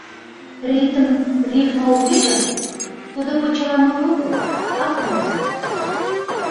Ритм, рифма уке гын... тудо почеламут огыл, а проза.